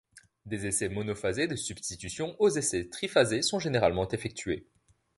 Des essais monophasés de substitution aux essais triphasés sont généralement effectués.